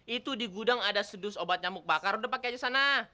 itu di gudang ada sedus obat nyamuk bakar udah pakai aja sana